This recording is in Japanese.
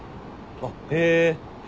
あっへぇ。